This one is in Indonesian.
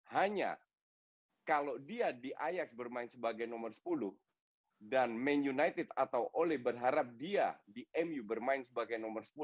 hanya kalau dia di ix bermain sebagai nomor sepuluh dan man united atau ole berharap dia di mu bermain sebagai nomor sepuluh